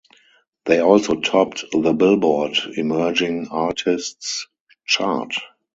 They also topped the "Billboard" Emerging Artists Chart.